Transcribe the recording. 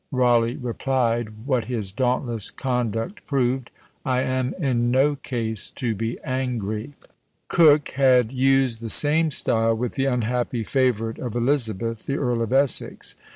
Rawleigh replied, what his dauntless conduct proved "I am in no case to be angry." Coke had used the same style with the unhappy favourite of Elizabeth, the Earl of Essex.